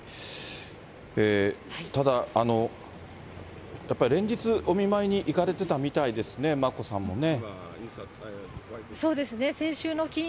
ただ、やっぱり連日、お見舞いに行かれてたみたいですね、眞子さんもね。